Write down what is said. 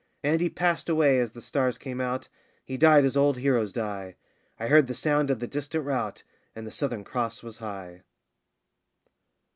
And he passed away as the stars came out he died as old heroes die I heard the sound of the distant rout, and the Southern Cross was high.